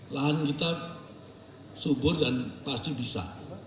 lahan kita subur dan pasti bisa